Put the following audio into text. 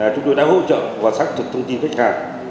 chúng tôi đang hỗ trợ và phát thực thông tin khách hàng